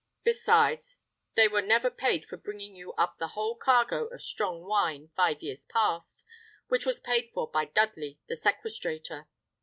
Besides, they were never paid for bringing you up the whole cargo of strong wine, five years past, which was paid for by Dudley, the sequestrator."